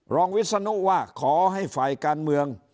วิศนุว่าขอให้ฝ่ายการเมือง